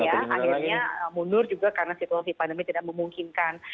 akhirnya mundur juga karena situasi pandemi tidak memungkinkan